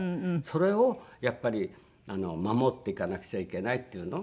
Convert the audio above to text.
それをやっぱり守っていかなくちゃいけないっていうの。